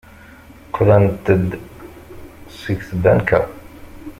Qqlent-d seg tbanka.